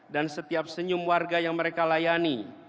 dan setiap senyum warga yang mereka layani